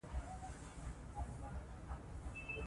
واک د خلکو د باور ساتلو مسؤلیت لري.